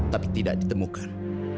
tapi tidak ditemukan